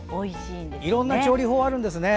いろんな調理法があるんですね。